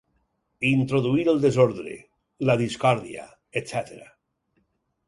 Introduir el desordre, la discòrdia, etc.